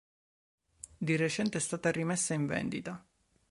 Di recente è stata rimessa in vendita.